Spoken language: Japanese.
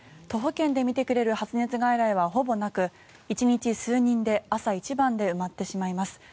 徒歩圏で診てくれる発熱外来はほぼなく１日数人で朝一番で埋まってしまいます。